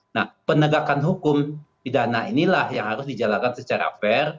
nah penegakan hukum pidana inilah yang harus dijalankan secara fair